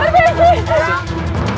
ya allah ya allah